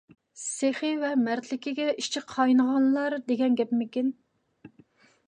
سېخىي ۋە مەردلىكىگە ئىچى قاينىغانلار دېگەن گەپمىكىن.